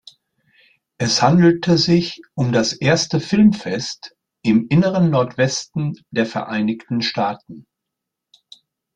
Es handelte sich um das erste Filmfest im inneren Nordwesten der Vereinigten Staaten.